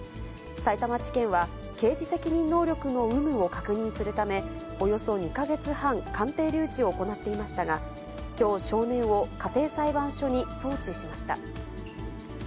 さいたま地検は、刑事責任能力の有無を確認するため、およそ２か月半、鑑定留置を行っていましたが、きょう、少年を家庭裁判所に送致しました。